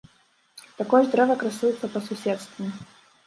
Такое ж дрэва красуецца па суседству.